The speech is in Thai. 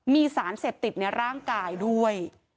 มีสารเสพติดในร่างกายด้วย